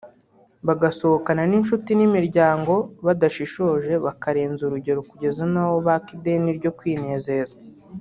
bagasohokana n’inshuti n’imiryango abadashishoje bakarenza urugero kugeza n’aho baka ideni ryo kwinezeza